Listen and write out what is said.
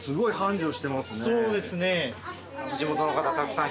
そうですね。